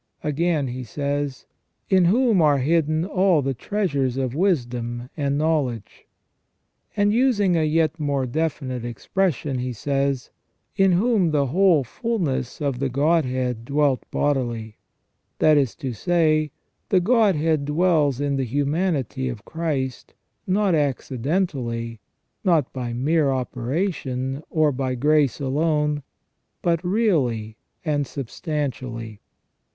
Again he says : "In whom are hidden all the treasures of wisdom and knowledge ". And using a yet more definite expression, he says :" In whom the whole fulness of the Godhead dwelt bodily ". That is to say, the Godhead dwells in the humanity of Christ, not accidentally, not by mere operation, or by grace alone, but really and substantially.